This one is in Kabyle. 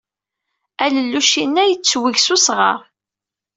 Alelluc-inna yettweg s usɣar.